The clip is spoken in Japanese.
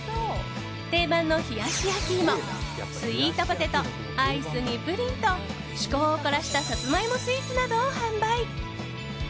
定番の冷やし焼き芋スイートポテトアイスにプリンと趣向を凝らしたサツマイモスイーツなどを販売。